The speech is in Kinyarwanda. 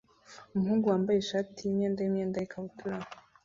Umuhungu wambaye ishati yimyenda yimyenda yikabutura